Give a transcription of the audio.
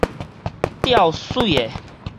吊媠的